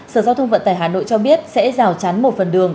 sở giao thông vận tải hà nội cho biết sẽ rào chắn một phần đường